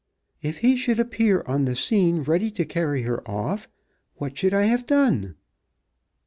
"If he should appear on the scene ready to carry her off, what should I have done?"